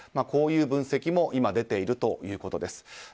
こういう分析も今、出ているということです。